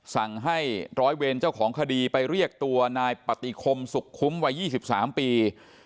สั่งให้ร้อยเวรเจ้าของคดีไปเรียกตัวนายปฏิคมสุขคุ้มวัย๒๓ปี